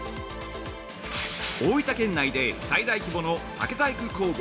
大分県内で最大規模の竹細工工房